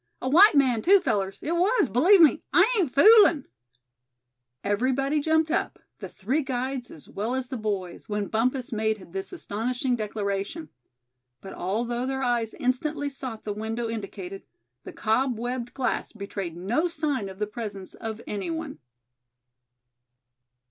A white man, too, fellers, it was, believe me; I ain't foolin'!" Everybody jumped up, the three guides as well as the boys, when Bumpus made this astonishing declaration. But although their eyes instantly sought the window indicated, the cob webbed glass betrayed no sign of the presence of any one.